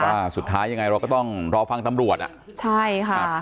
ว่าสุดท้ายยังไงเราก็ต้องรอฟังตำรวจ